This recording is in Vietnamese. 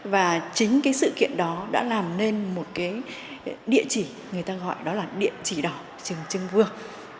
và chính sự kiện đó đã làm nên một địa chỉ người ta gọi đó là địa chỉ đỏ trưng vương